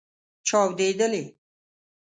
چاودیدلې